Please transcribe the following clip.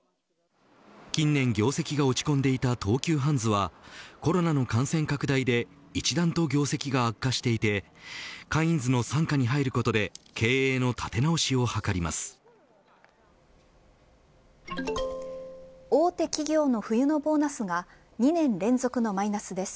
近年業績が落ち込んでいた東急ハンズはコロナの感染拡大で一段と業績が悪化していてカインズの傘下に入ることで経営の立て直しを図ります。